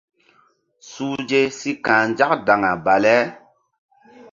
Suhze si ka̧h nzak daŋa bale.